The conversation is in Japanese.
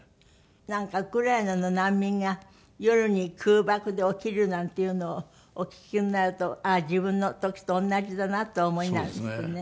なんかウクライナの難民が夜に空爆で起きるなんていうのをお聞きになるとああ自分の時と同じだなとお思いになるっていうね。